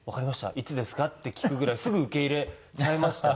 いつですか？」って聞くぐらいすぐ受け入れちゃいましたね